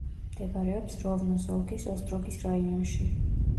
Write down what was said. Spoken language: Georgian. მდებარეობს როვნოს ოლქის ოსტროგის რაიონში.